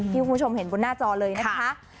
คุณผู้ชมเห็นบนหน้าจอเลยนะคะ